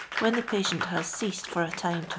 when the patient haf c •a' eil f.»r a lime to f.